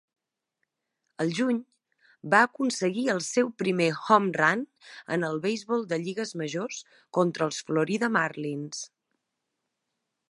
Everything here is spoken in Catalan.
Al juny, va aconseguir el seu primer home run en el beisbol de lligues majors contra els Florida Marlins